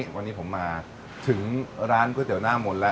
วันนี้ผมมาถึงร้านก๋วยเตี๋ยวหน้ามนต์แล้ว